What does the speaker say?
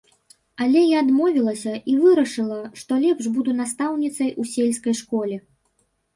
Але я адмовілася і вырашыла, што лепш буду настаўніцай у сельскай школе.